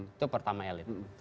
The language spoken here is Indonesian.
itu pertama elit